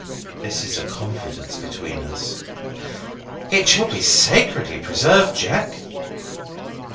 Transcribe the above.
This is a confidence between us." "It shall be sacredly preserved, Jack."